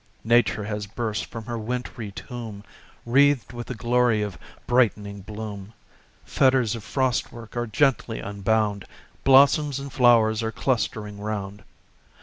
Nature has burst from her wintry tomb, Wreathed with the glory of brightening bloom; Fetters of frost work are gently unbound, Blossoms and flowers are clustering round.